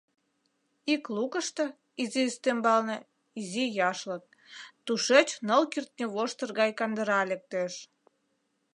Ик лукышто, изи ӱстембалне, — изи яшлык, тушеч ныл кӱртньывоштыр гай кандыра лектеш.